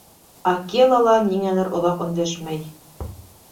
— Акела ла ниңәлер оҙаҡ өндәшмәй.